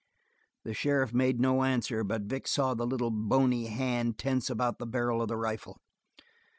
The sheriff made no answer, but Vic saw the little bony hand tense about the barrel of the rifle.